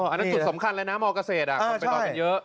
อันนั้นจุดสำคัญเลยนะมเกษตรน่ะเป็นตอนเป็นเยอะ